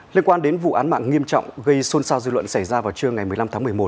liên quan đến vụ án mạng nghiêm trọng gây xôn xao dư luận xảy ra vào trưa ngày một mươi năm tháng một mươi một